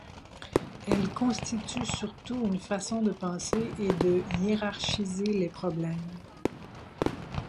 Elle constitue surtout une façon de penser et de hiérarchiser les problèmes.